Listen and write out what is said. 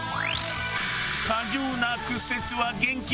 過剰な屈折は厳禁。